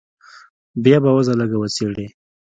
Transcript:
بيا به وضع لږه وڅېړې.